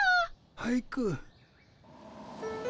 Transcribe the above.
俳句？